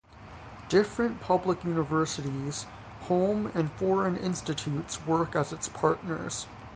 Different public universities, home and foreign institutes work as its partners.